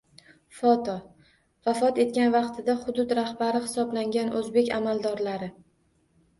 Foto: Vafot etgan vaqtida hudud rahbari hisoblangan o‘zbek amaldorlari